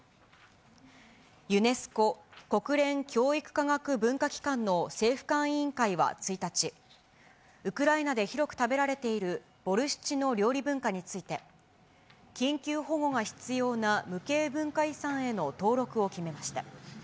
ユネスコ・国連教育科学文化機関の政府間委員会は１日、ウクライナで広く食べられているボルシチの料理文化について、緊急保護が必要な無形文化遺産への登録を決めました。